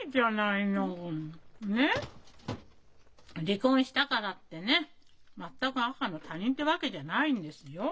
離婚したからってね全く赤の他人ってわけじゃないんですよ。